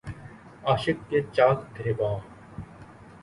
عاشق کے چاک گریباں